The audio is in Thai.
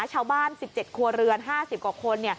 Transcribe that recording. ชาวบ้าน๑๗ครัวเรือน๕๐กว่าคน